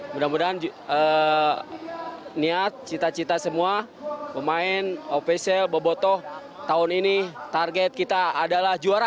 mudah mudahan niat cita cita semua pemain ofisial bobotoh tahun ini target kita adalah juara